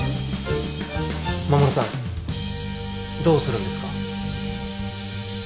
衛さんどうするんですか？